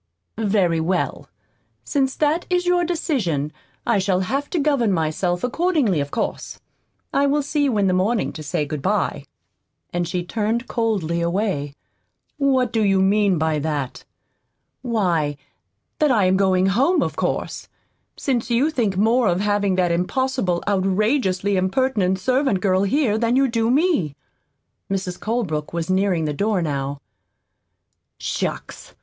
"Very well. Since that is your decision I shall have to govern myself accordingly, of course. I will see you in the morning to say good bye." And she turned coldly away. "What do you mean by that?" "Why, that I am going home, of course since you think more of having that impossible, outrageously impertinent servant girl here than you do me." Mrs. Colebrook was nearing the door how. "Shucks!